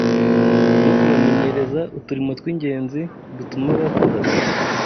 no kubamenyereza uturimo tw’ingenzi dutuma bakura